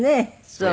そう。